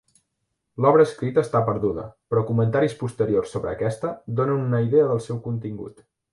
L'obra escrita està perduda, però comentaris posteriors sobre aquesta, donen una idea del seu contingut.